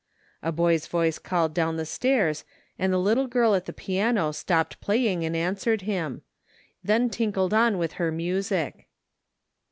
A boy's voice called down the stairs and the little girl at the piano stopped playing and answered him ; then tinkled on with her music.